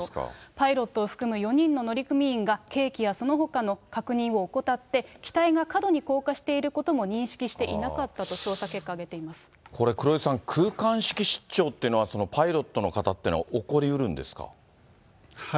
パイロットを含む４人の乗組員が、計器やそのほかの確認を怠って、機体が過度に降下していることも認識していなかったと、これ黒井さん、空間識失調っていうのは、パイロットの方っていうのは、起こりうるんですか？